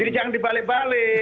jadi jangan dibalik balik